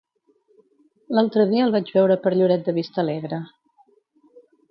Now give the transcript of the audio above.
L'altre dia el vaig veure per Lloret de Vistalegre.